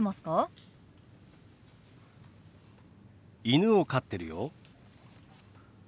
犬を飼ってるよ。